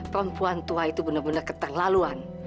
perempuan tua itu benar benar keterlaluan